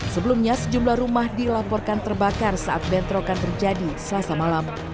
sebelumnya sejumlah rumah dilaporkan terbakar saat bentrokan terjadi selasa malam